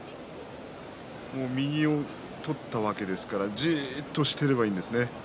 右を取ったわけですからじっとしていればいいんですよ。